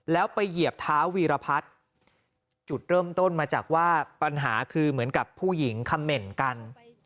แล้วไปเหยียบเท้าวีรพัฒน์จุดเริ่มต้นมาจากว่าปัญหาคือเหมือนกับผู้หญิงคำเหม็นกัน